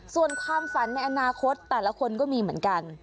ส่วนความฝันในอนาคตแต่ละคนก็มีเหมือนกัน